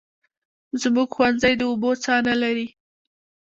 زموږ ښوونځی د اوبو څاه نلري